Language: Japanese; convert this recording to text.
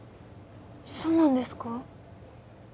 そうなんですか？